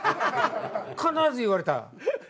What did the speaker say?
必ず言われた。